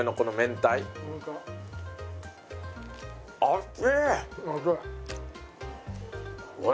熱い。